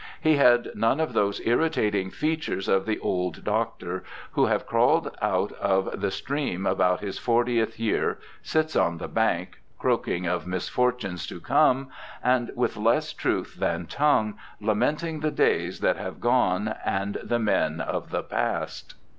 He had none of those irritating features of the old doctor, who, having crawled out of the stream about his fortieth 3'ear, sits on the bank, croaking of mis fortunes to come, and, with less truth than tongue, lamenting the da3's that have gone and the men of the past.